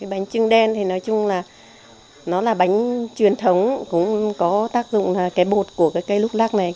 bánh trưng đen nói chung là bánh truyền thống cũng có tác dụng bột của cây lúc lắc này